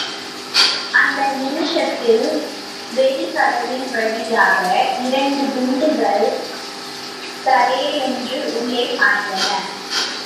அந்த நிமிஷத்தில் வெளிக்கதவின் வழியாக இரண்டு குண்டுகள் சரேலென்று உள்ளே பாய்ந்தன.